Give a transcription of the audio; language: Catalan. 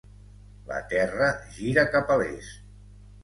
La Terra gira cap a l'est.